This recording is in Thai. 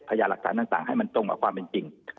พยายามหลักฐานต่างให้มันตรงกับความเป็นจริง